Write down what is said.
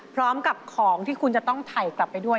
พร้อมกับของที่คุณจะต้องถ่ายกลับไปด้วย